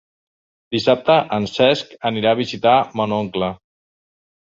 Dissabte en Cesc anirà a visitar mon oncle.